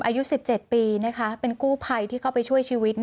อายุ๑๗ปีเป็นกู้ภัยที่เข้าไปช่วยชีวิต